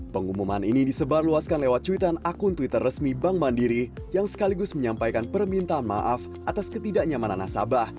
pengumuman ini disebarluaskan lewat cuitan akun twitter resmi bank mandiri yang sekaligus menyampaikan permintaan maaf atas ketidaknyamanan nasabah